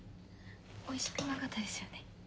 おいしくなかったですよね。